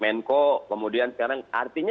menko kemudian sekarang artinya ya itu bagus ya